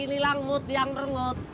bikin ilang mut yang merengut